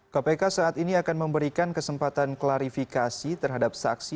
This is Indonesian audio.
kpk saat ini akan memberikan kesempatan klarifikasi terhadap saksi